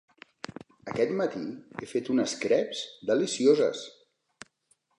Aquest matí he fet unes creps delicioses.